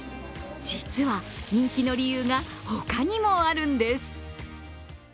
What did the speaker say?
実は、人気の理由が他にもあるんです。